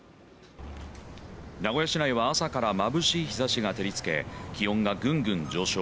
名古屋市内は朝から眩しい日差しが照りつけ、気温がぐんぐん上昇。